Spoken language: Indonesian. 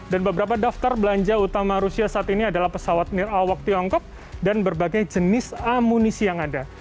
dan beberapa daftar belanja utama rusia saat ini adalah pesawat nirawak tiongkok dan berbagai jenis amunisi yang ada